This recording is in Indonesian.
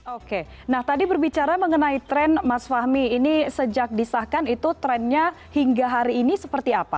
oke nah tadi berbicara mengenai tren mas fahmi ini sejak disahkan itu trennya hingga hari ini seperti apa